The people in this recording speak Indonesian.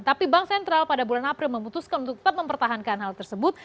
tapi bank sentral pada bulan april memutuskan untuk tetap mempertahankan hal tersebut